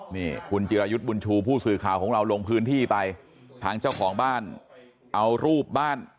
นี่คุณจิรายุทธ์บุญชูผู้สื่อข่าวของเราลงพื้นที่ไปทางเจ้าของบ้านเอารูปบ้าน